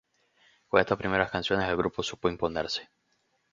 Con estas primeras canciones el grupo supo imponerse.